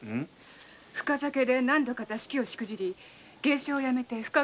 深酒で何度か座敷をしくじり芸者をやめて深川を出たとか。